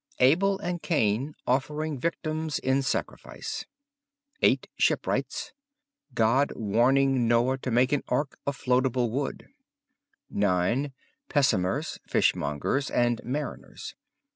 Abel and Cain offering victims in sacrifice. 8. Shipwrights. God warning Noah to make an Ark of floatable wood, 9. Pessoners (Fishmongers) and Mariners.